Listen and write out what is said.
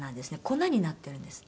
粉になってるんです。